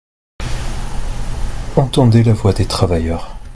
Entendez la voix des travailleurs.